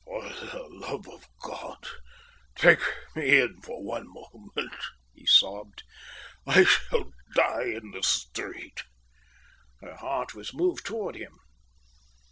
"For the love of God, take me in for one moment," he sobbed. "I shall die in the street." Her heart was moved towards him.